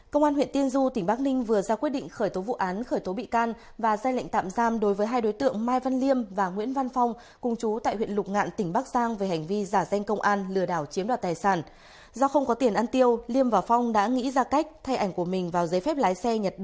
các bạn hãy đăng ký kênh để ủng hộ kênh của chúng mình nhé